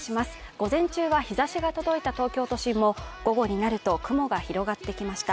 午前中は日ざしが届いた東京都心も午後になると雲が広がってきました。